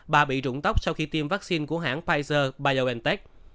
bà bị rụng tóc sau khi tiêm vaccine của hãng pfizer bigentech